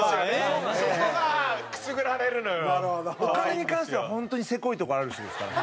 お金に関してはホントにせこいとこある人ですから。